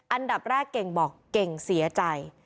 อันดับแรกเก่งบอกเก่งเสียใจ